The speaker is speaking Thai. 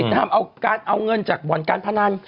ห้ามเอาเงินจากบ่อนการพนัน